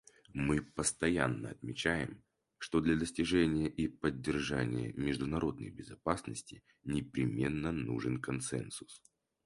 Мы постоянно отмечаем, что для достижения и поддержания международной безопасности непременно нужен консенсус.